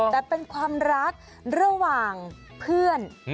แต่เป็นความรักระหว่างเพื่อน